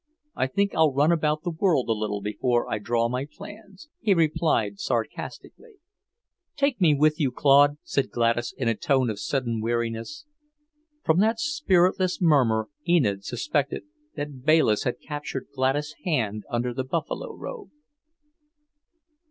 I think I'll run about the world a little before I draw my plans," he replied sarcastically. "Take me with you, Claude!" said Gladys in a tone of sudden weariness. From that spiritless murmur Enid suspected that Bayliss had captured Gladys' hand under the buffalo robe.